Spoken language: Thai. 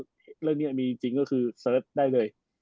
เรื่องนี้มีจริงก็คือเสิร์ชได้เลย